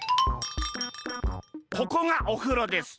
ここがおふろです。